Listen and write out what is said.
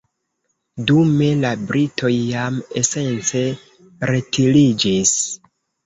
Dume, la britoj jam esence retiriĝis.